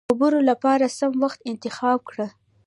د خبرو له پاره سم وخت انتخاب کړه.